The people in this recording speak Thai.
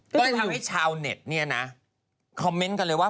ก็เลยทำให้ชาวเน็ตเนี่ยนะคอมเมนต์กันเลยว่า